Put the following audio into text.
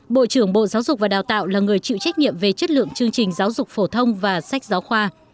bộ trưởng bộ giáo dục và đào tạo là người chịu trách nhiệm về chất lượng chương trình giáo dục phổ thông và sách giáo khoa